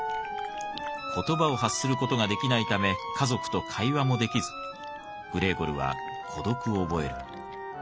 言葉を発する事ができないため家族と会話もできずグレーゴルは孤独を覚える。